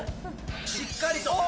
しっかりと。